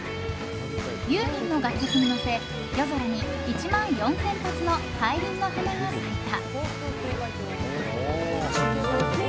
ユーミンの楽曲に乗せ夜空に１万４０００発の大輪の花が咲いた。